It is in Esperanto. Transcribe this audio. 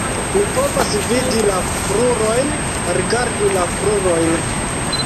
Mi povas vidi la krurojn, rigardu la krurojn.